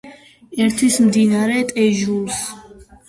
ერთვის მდინარე ტეჟუს.